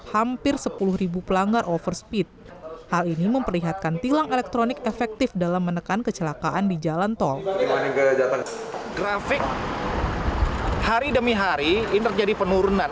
hari demi hari ini terjadi penurunan